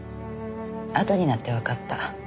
あとになってわかった。